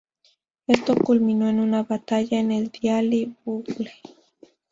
Esto culminó en una batalla en el "Daily Bugle".